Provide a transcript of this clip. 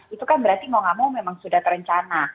itu kan berarti mau gak mau memang sudah terencana